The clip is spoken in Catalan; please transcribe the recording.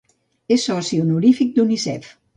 És soci honorífic d'Unicef.